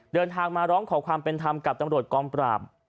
เดินทางมาร้องขอความเป็นธรรมกับตำรวจกองปราบ